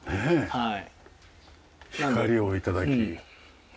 はい。